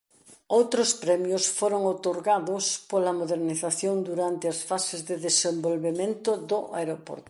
Outros premios foron outorgados pola modernización durante as fases de desenvolvemento do aeroporto.